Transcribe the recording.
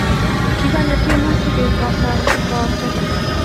Kikany temutik eng kasaroto